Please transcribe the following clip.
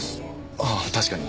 ああ確かに。